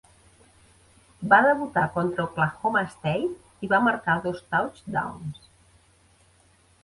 Va debutar contra Oklahoma State i va marcar dos touchdowns.